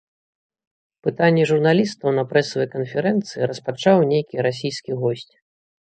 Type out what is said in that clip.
Пытанні журналістаў на прэсавай канферэнцыі распачаў нейкі расійскі госць.